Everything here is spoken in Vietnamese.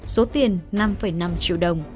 số tiền năm năm triệu đồng